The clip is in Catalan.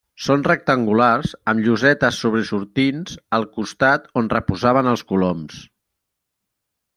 Són rectangulars, amb llosetes sobresortints al costat on reposaven els coloms.